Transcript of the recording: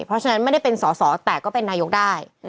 เพราะฉะนั้นไม่ได้เป็นสอสอแต่ก็เป็นนายกได้